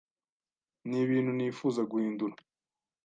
Nibintu nifuza guhindura.